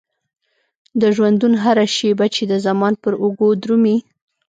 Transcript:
د ژوندون هره شيبه چې د زمان پر اوږو درومي.